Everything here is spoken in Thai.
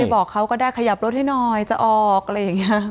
บอกเขาก็ได้ขยับรถให้หน่อยจะออกอะไรอย่างนี้